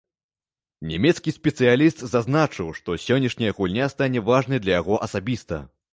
Нямецкі спецыяліст зазначыў, што сённяшняя гульня стане важнай для яго асабіста.